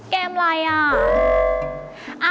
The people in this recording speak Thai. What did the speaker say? เกมอะไรอ่ะ